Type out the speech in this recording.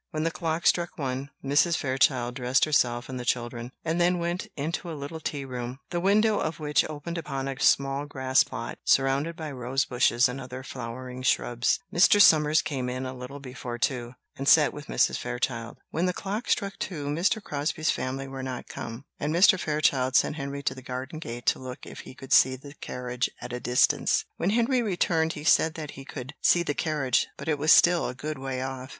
When the clock struck one, Mrs. Fairchild dressed herself and the children, and then went into a little tea room, the window of which opened upon a small grass plot, surrounded by rose bushes and other flowering shrubs. Mr. Somers came in a little before two, and sat with Mrs. Fairchild. When the clock struck two, Mr. Crosbie's family were not come, and Mr. Fairchild sent Henry to the garden gate to look if he could see the carriage at a distance. When Henry returned he said that he could see the carriage, but it was still a good way off.